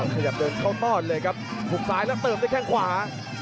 ขยับโดนเข้าตอนเลยครับถูกซ้ายแล้วเติมได้แค่งขวา